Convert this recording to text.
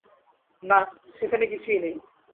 না, সেখানে কিছুই নেই।